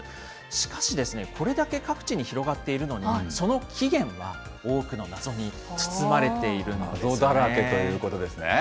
しかし、これだけ各地に広がっているのに、その起源は多くの謎に謎だらけということですね。